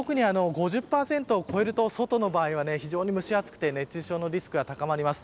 ５０％を超えると外の場合は蒸し暑くなって熱中症のリスクが高まります。